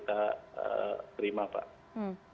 maka hasilnya insya allah sudah bisa kita terima pak